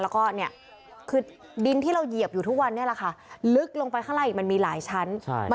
และก็เนี่ยคือดินที่เหยียบอยู่ทุกวัน